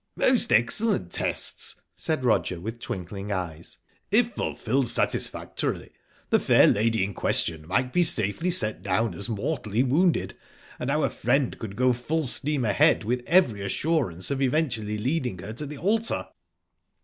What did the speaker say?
"Most excellent tests!" said Roger, with twinkling eyes. "If fulfilled satisfactorily, the fair lady in question might be safely set down as mortally wounded, and our friend could go full steam ahead with every assurance of eventually leading her to the altar."